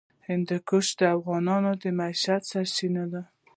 هندوکش د افغانانو د معیشت سرچینه ده.